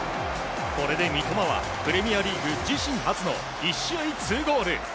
これで三笘はプレミアリーグ自身初の１試合２ゴール！